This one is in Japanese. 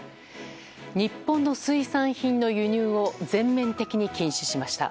日本の水産品の輸入を全面的に禁止しました。